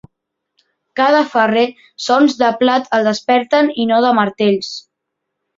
Ca de ferrer, sons de plat el desperten i no de martells.